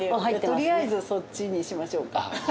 とりあえずそっちにしましょうか。